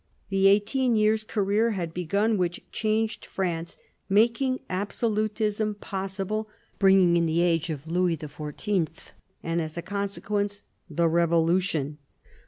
The eighteen years' career had begun which changed France, making absolutism possible, bring ing in the Age of Louis XIV. and as a consequence, the Revolution.